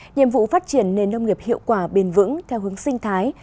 nhiệm vụ phát triển nền nông nghiệp hiệu quả bền vững theo hướng sinh thái